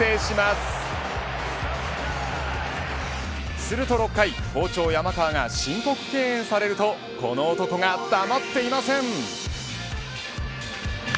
すると６回、好調山川が申告敬遠されるとこの男が黙っていません。